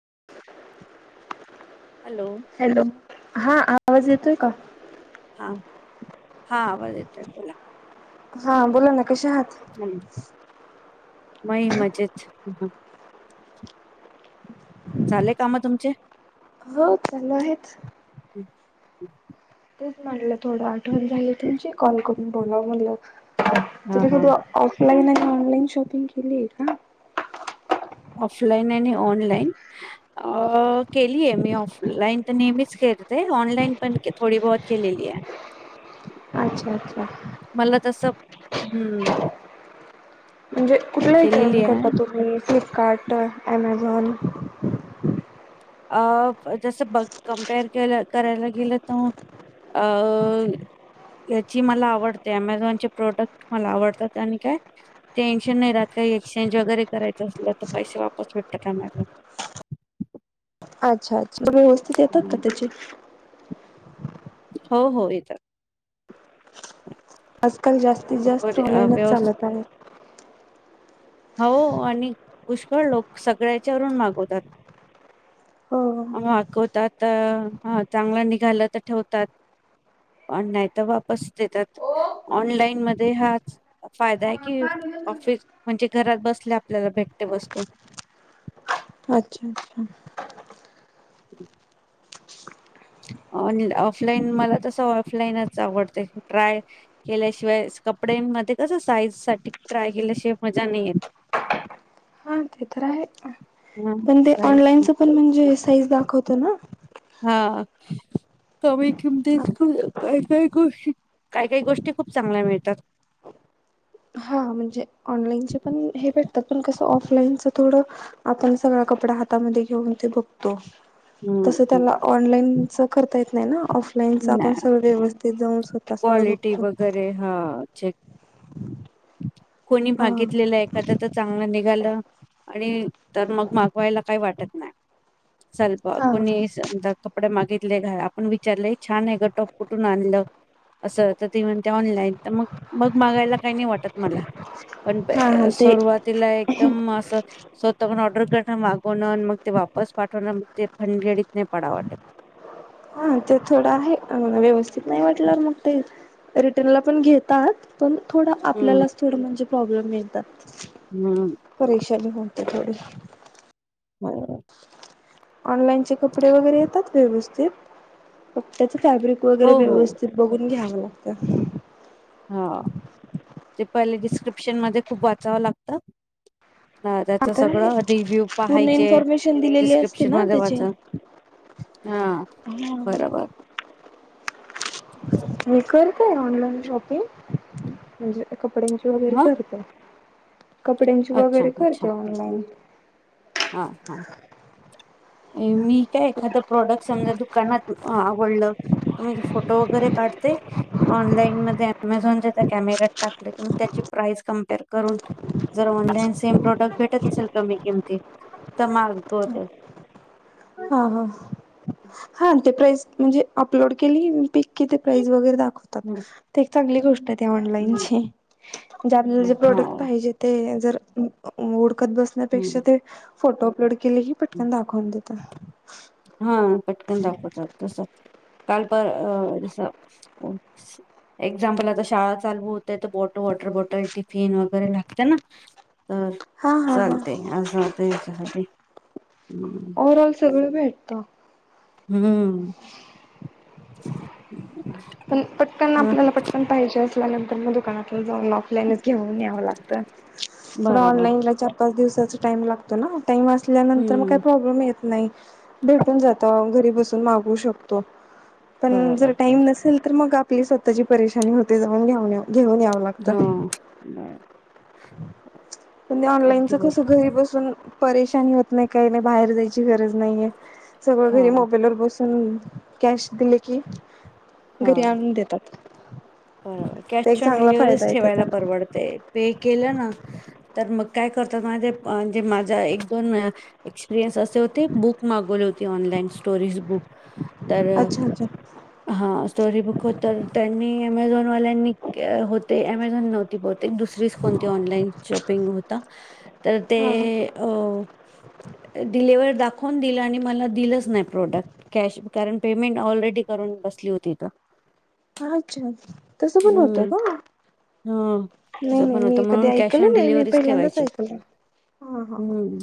ह hello hello हा आवाज येतोय का हा हा आवाज येत आहे बोला हा बोला ना कश आहात मी मजेच झालेय काम तुमचे हो चालू आहेच हम् तेच म्हटलं थोडं आठवण झाईल तुमची कॉल करून बोलाव म्हणलं हा हा 'ऑफलाईन' ऐवजी 'ऑनलाईन' करा. शॉपिंग केली आहे का ऑफलाईन आणि ऑनलाईन अ केलीय मी ऑफलाईन तर नेहमीच करते ऑनलाईन पण थोडी बहत केलेली आहे अच्छा अच्छा मला तसं हम्म म्हणजे कुठलं केलेली विचारण आहे करता तुम्हीू कार्ट अॲमेझॉन अ जसं बघ कमपेअर के करायला गेलं तर अ याची मला आवडते अमेझॉनचे प्रोडक्ट मला आवडतात आणि काय टेन्शन नाही राहत काही एक्सचेंज वगैरे करायचं असलं तर पैसे वापस भेटतात आम्हाला अच्छा सुधा व्यवस्थित येतात का त्याचे हो हो येतात अस काल जास्तीत बरोबर जास्त आहे. अ, ऑनलाईनच व्यवस्थित चालत आहे हो आणि पुष्कळ लोक सगळ्याच्यावरून मागवतात हो मागवतात चांगला निघाला तर ठेवतात पण नाहीतर वापस देतात ऑनलाईन मध्ये हाच फायदा आहे की ऑफिस म्हणजे घरात बसले आपल्याला भेटते वस्तू अच्छा अच्छा हम् ऑफलाईन मला तस ऑफलाईनच आवडते ट्राय केल्याशिवाय कपड्यांमध्ये कस साईज साठी ट्राय केल्याशिवाय मजा नाही येत हा ते तर आहे हां, पण ते साईज. ऑनलाईनच पण म्हणजे साईज दाखवत ना हां. कमी किमतीत काय काही गोष्टी काय काही गोष्टी खूप चांगल्या मिळतात हा म्हणजे ऑनलाईनच पण हे भेटतात पण कसं ऑफलाईनच थोडं आपण सगळा कपडा हातामध्ये घेऊन ते बघतो तस हम्म त्याला ऑनलाईन च करता येत नाही ना ऑफलाईनच ना आपण सगळं व्यवस्थित जाऊन स्वतः सगळं क्वालिटी बघत वगैरे हा चेक कोणी हा भागितलेलं एखाद्या तर चांगलं नि झालं आणि तर मग मागवायला काही वाटत नाही स्वल्प हा कोणी समजलं का कपडे मागितले घ आपण विचारलं छान आहे ग टॉप कुठून आणलं असं तर ती म्हणते ऑनलाईन तर मग मग मागायला काही नाही वाटत वाटत मला पण हा हा ते सुरुवातीला एकदम असं स्वतः पण ऑर्डर करून मागवणं अन मग ते वापस पाठवणं मग ते पण भानगडीत नाही पडायला वाटत हा ते थोडं आहे व्यवस्थित नाही वाटलंवर मग ते रिटर्नला पण घेतात पण थोडं हम्म. आपल्यालाच थोडं म्हणजे प्रॉब्लेम येतात हम्म चल हो तर थोडी ब ऑनलाईनचे कपडे वगैरे येतात व्यवस्थित फक्त फॅब्रिक वगैरे हो हो. व्यवस्थित बघून घ्याव अ ह ते पहिले डिस्क्रिप्शन मध्ये खूप वाचावं लागतं अ हा त्याच तर आहे सगळं रिव्ह्यू पूर्ण पहायचे इन्फॉर्मेशन दिलेली असते डिस्क्रिप्शन ना मध्ये त्याची. वाच हा हा बरोबर ह् करताय ऑनलाईन शॉपिंग म्हणजे कपड्यांची वगैरे हा करते कपड्यांची अच्छा वगैरे करते अच्छा ऑनलाइन हा हा [inaudible] एखाद प्रॉडक्ट समजा दुकानात आवडलं तर मी फोटो वगैरे काढते ऑनलाईन मध्ये अमेझॉनच्या त्या कॅमेरात टाकले किंवा त्याची प्राइस कम्पेअर करून जर ऑनलाईन सेम प्रोडक्ट भेटत असेल कमी किमती तर मागवते हा हा हा ते प्राईज म्हणजे अपलोड केली मी किती प्राईज वगैरे दाखवतात हम्म, ते कणी त्या हम्म, ऑनलाईनचे म्ह जे आपल्याला हम्म, जे हा प्रोडक्ट पाहिजे ते जर [inaudible] हुडकत हम्म, बसण्यापेक्षा ते फोटो अपलोड केले ही हम्म. पटकन दाखव देत त हा पटकन दाखवतात तसत काल प जस एक्झामपल, आता शाळा चालू होतायत तर बॉटल वॉटर बॉटल टिफिन वगैरे लागतयना. तर हा हा हा. चालते असं होतं याच्यासाठी, हम्. ओव्हरऑल सगळं भेटतं. हम्म. पण पटकन हा आपल्याला पटकन पाहिजे अस ला नंतर म दुकानातल जाऊन ऑफलाईनच घेऊन यावं लागत. थोड बराबर. ऑनलाईनला चार पाच दिवसात टाइम लागतो ना. टाइम असल्यानंतर मग काय हम्म. प्रॉब्लेम येत नाइ. भेटून जात घरी बसून मागवू शकतो. पण जर बराबर बर टाईम नसे तर मग आपली स्वतःची परेशानी होते जाऊन घेऊन येऊ घेऊन यावं लागतं. हो बर पण हे ऑनलाईनच अगदी कस बर घरी बसून परेशानी होत नाय काय नाइ बाहेर जायची गरज नाहीये. सगळं हो घरी मोबाईलवर बसु हम्म कॅश दिले की हा घरी आणून देतात. बर तर एक कॅश ऑन चांगला फायदा डिलव्हरीच आहे त्याचा ठेवायला परवडतय पे केलं ना तर मग काय करतात माहितय? माझे माझ एक दोन एक्सपिरयन्स अस बुक मागवली होती, ऑनलाईन स्टोरीज बुक तर अच्छा अच्छा हा स्टोरी बुक हो तर त्यांनी अमेझॉनवाल्यांनी होते. अमेझॉन नव्हती बहु दुसरीच कोणती ऑनलाईन शॉपिंग होता, तर ते हा हा. डिलिव्हर्ड दाख खून दिल आणि मला दिलंच नाय. प्रोडक्ट कॅश कारण पेमेंट ऑलरेडी करून बस क्लिक होती हित [unintelligible] पण होतं हम्म, का हा तस नाही नाही पण होत मी कधी म्हणून कॅश ऑन ऐकलं नाही मी डिलिव्हरी पहिल्यांदाच ठेवायची. ऐकलं हा हा हा. हम्म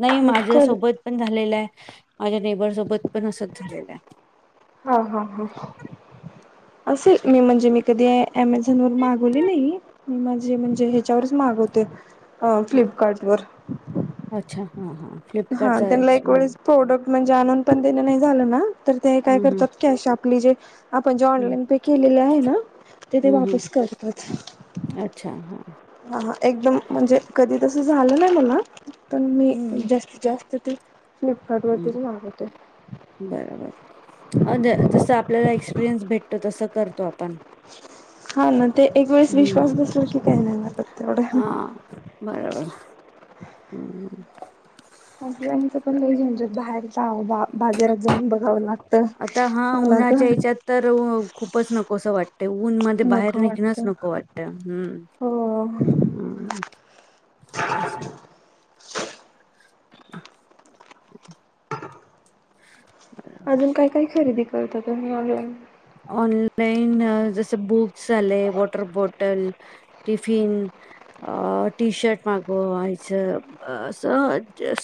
नाइ मी माझ्या कर सोबत पण झालेलंय. माझ्या नेबर सोबत पण असच झालेलंय. हा हा हा असेल मी म्हणजे मी कधी अमेझॉन व मागवले नाही मी माझे म्हणजे ह्याच्यावरच मागवते हा फ्लिपकार्टवर अच्छा हा हा हा फ्लिपकार्टचा त्यांला एक वेळेस एक्सपिरियन्स प्रोडक्ट म्हणजे आणून पण देण नाही झालं ना तर ते काय हम्म हम्म. करतात कॅश आपली जे आपण जे हम्म ऑनलाईन पे केलेले आहे ना ते ते हम्म वापस हम्म करतात अच्छा हा हा हा एकदम म्हणजे कधी तस झालं ना मला पण मी हम्म जास्तीत जास्त ते फ्लिपकारडवरतीच मागवते. बर बर अ जस आपल्याला एक्सपिरियन्स भेटतो तस कर. हा ना ते एक वेळेस विश्वास हम्म बसल की काही नाही वाटत तेवढ हा. बरोबर हम्म पण लई झंझट बाहेर बा बाजारात जाऊन बघावं लागत आता उन्हातुन खुपच नकोसं वाट ते ऊन मध्ये बाहेर वाटत निघणंच नको वाटत हम्म हो. हम् असं [inaudible] [inaudible] [inaudible] अजून काय काय खरेदी करता तुम्ही ऑनलाईन. ऑनलाईन जस बुक सले वॉटर बॉटल टिफिन, अ टी शर्ट मागवायचं अस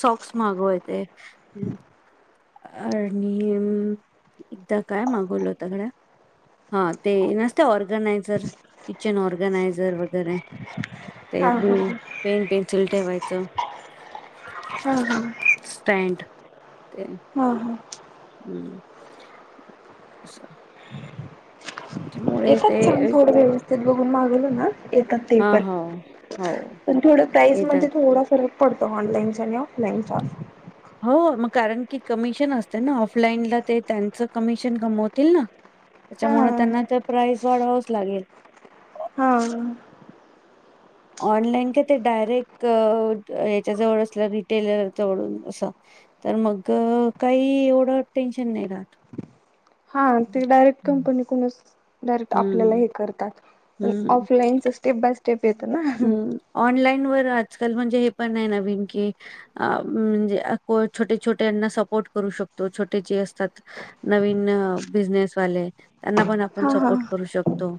सॉक्स मागवायचे आणि एकदा काय मागवल होतगड्या हा ते नसत ऑर्गनायझर किचन ऑर्गनायझर वगैरे ते हा बु हा हा पेन पेन ठेवायचं हा हा स्टँड ते हा. हा हम्म अस येतात छान एक- थोड व्यवस्थीत बघून मागवल न येतात ते हा पण हो हो पण थोडं प्राईज येतात मध्ये थोडा फरक पडतो ऑनलाईनचा आणि ऑफलाईनचा हो मग कारण की कमिशन असते ना ऑफलाईनला ते त्यांच कमिशन कमवतील ना हा त्याच्यामुळे त्यांना तर प्राइज वाढावच लागेल. हा ऑनलाईन का ते डायरेक्ट याच्याजवळ असलं रिटेलर जवळून असं तर मग काही एवढं टेन्शन नाही राहत. हा ते डायरेक्ट हं. कंपनी कहुनच डायरेक्ट आपल्याला हं, हे करतात ऑफलाईनच स्टेप बाय स्टेप येतं ना. हम् ऑनलाईन वर आजकाल म्हणजे हे पण आहे नवीन की म्हणजे छोटे छोटेना सपोर्ट करू शकतो. छोटे जे असतात नवीन बिझनेसवाले त्यांना पण पण हा हा सपोर्ट करू शकतो.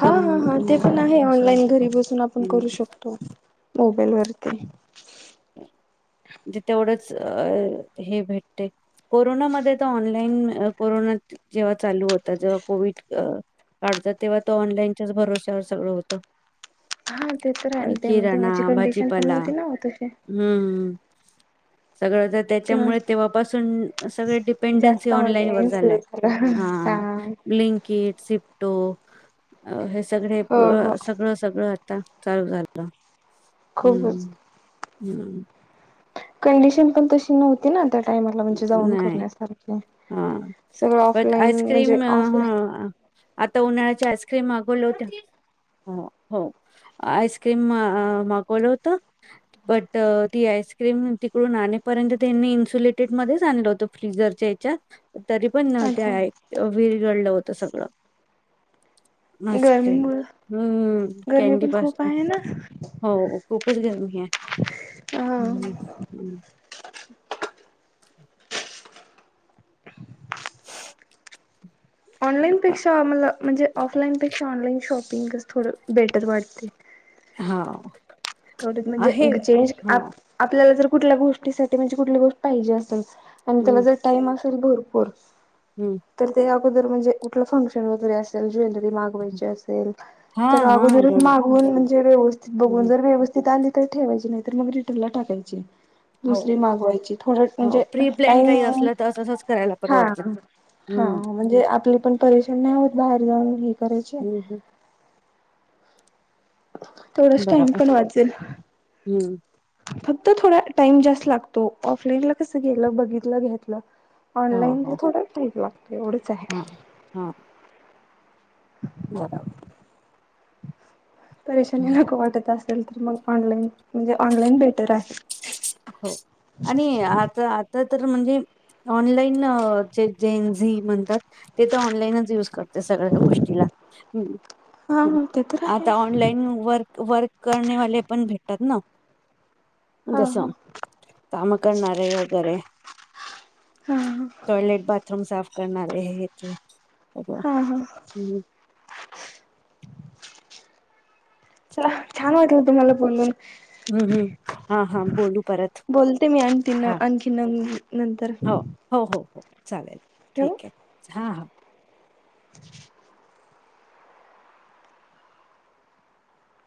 हा अहम हा हा ते म्हणजे पण आहे अस ऑनलाईन घरी बसून आपण करू शकतो मोबाईलवर. [inaudible] ज तेवढंच अ हे भेटते. कोरोनामध्ये तर ऑनलाईन कोरोना जेव्हा चालू होता. जेव्हा कोविड काळचा तेव्हा तो ऑनलाईनच्याच भरोश्यावर सगळं होत. हा ते तर रा ते ते माझी कंडिशन पण भाजीपाला नव्हती ना होत. हम्म. सगळं तर तेव्हा त्याच्यामुळे तेव्हापासून सगळे डिपेंडन्सी जास्त ऑनलाईन वर झालंय सुरू झालं. हा ह लिंकिट सि तो अ सगळे हो हो सगळं सगळं आ चालू झालं. हम्म खूपच. हम्म [unintelligible] कंडिशन पण तशी नव्हती ना. त्या टाइमाला म्हणजे जाऊन नाही करण्यासारखे हा सगळं बट ऑफलाईन म्हणजे आईस्क्रीम ऑफलाईन ह आता उन्हाळ्याच्या आईस्क्रीम मागवले होत. हो हो आईस्क्रीम मागवलं होत. बट ती आईस्क्रीम तिकडून आपर्यंत त्यांनी इनसुले ेट मध्ये आणलेलं होत फ्रिजरच्या याच्या तरी पण अच्छा त्या विरघडलं होत. तर सगळं. आस्क्रीम गरमीमुळं हम्म गरमी कॅनडी पण पास खूप आहे ना. हो खूपच गरमी आहे हा. हम. ह [unintelligible] ऑनलाईनपेक्षामला म्हणजे ऑफलाईनपेक्षा ऑनलाईन शॉप िंगस थोडं बेटर वाटते. हा थोडं म्हणजे आहे चेंज हा आपल्याला. कुठल्या गोष्टीसाठी म्हणजे कुठली गोष्ट पाहिजे असेल. आणि त्याला हम्म जर टाइम अस. तर भरपूर हम्म तर ते रजे कुठलं फंक्शन वगरे असेल जं मागवायचे असेल हा म्हणजे ते हा अगोदरच आठवलं मागून मंजे हम्म विवस्तित त आली तररी ठेवायची नाही तर मग रिटर्न ला टाकायची... हो दुस मागवायची थोड हो म्हणजे प्री प्लॅन टाईम काही असलं तर तसंच करायला हा परवडतं हा हम्म म्हणजे आपली... पण परेशान नाही होत बाहेर जाऊन घ... करेचे. हम्म थोडच टाइम बरोबर पण वाचेल हम्म फक्त..... तर थोडा टाइम जास्त लागतो ऑफलाईन ला कस गेलं बघितलं घेतलं. हो ऑनलाईन ते हो थोडं लागत. एवढच आहे हा हा बरोबर हं. परेशानी नको वाटत [inaudible] [unintelligible] ऑनलाईन भेट [unintelligible] हो आणि आता आता त [unintelligible] ऑनलाईन [unintelligible] [unintelligible] म्हणतात ते तर ऑनलाईनच युज करतात सगळ्या गोष्टीला हा हं हा ते तर आहे आता ऑनलाईन वर्क वर्क करणेवाले पण भेटतात ना हां जसं हां काम करणारे वगैरे हा हा टॉयलेट बाथरूम साफ करणारे [inaudible] हां हां हम्म छान वाटलं तुम्हाला बोल हम्म हा हा [unintelligible] बोलू परत बोलते मी आणखीन हा आणखीन नवीन नंतर हो हो हो हो चालेल ठेवू? ठीक आहे हा हा [unintelligible]